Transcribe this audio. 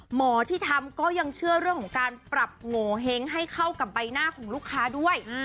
หมอที่ทำก็ยังเชื่อเรื่องของการปรับโงเห้งให้เข้ากับใบหน้าของลูกค้าด้วย